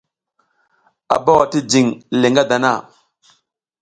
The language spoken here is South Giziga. A bawa ti jiƞ le ngadana.